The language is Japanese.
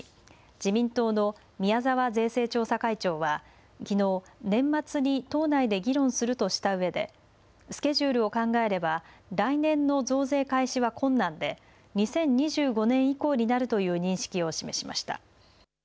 自民党の宮沢税制調査会長はきのう年末に党内で議論するとしたうえでスケジュールを考えれば来年の増税開始は困難で２０２５年以降になるという認識を示しました。